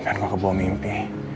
biar gak kebawa mimpi